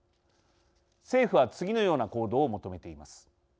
政府は、次のような行動を求めています。